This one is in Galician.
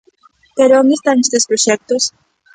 ¿Pero onde están estes proxectos?